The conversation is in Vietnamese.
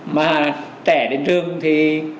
mà trẻ đến trường thì